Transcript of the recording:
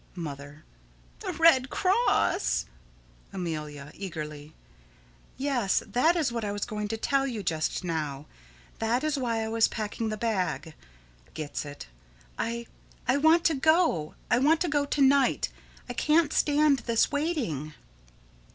Mother: The Red Cross! Amelia: [Eagerly.] Yes; that is what I was going to tell you just now. That is why I was packing the bag. [Gets it.] I I want to go. I want to go to night. I can't stand this waiting.